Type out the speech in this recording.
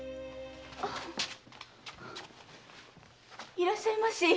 いらっしゃいまし。